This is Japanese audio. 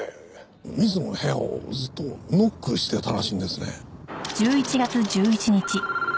水野の部屋をずっとノックしてたらしいんですね。